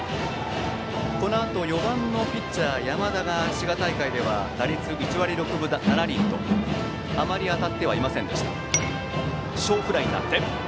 このあと４番のピッチャー山田が滋賀大会では打率１割６分７厘とあまり当たってはいませんでした。